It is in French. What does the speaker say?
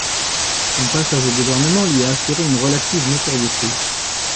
Son passage au gouvernement lui a assuré une relative notoriété.